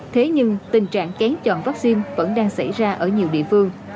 thế nhưng tình trạng kén chọn vaccine vẫn đang xảy ra ở nhiều địa phương